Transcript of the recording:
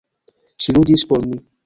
Ŝi ludis por mi!